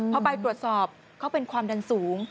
พอไปตรวจสอบเขาเป็นความดันสูง